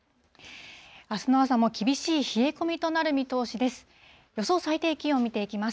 あすの朝も厳しい冷え込みとなる見通しです。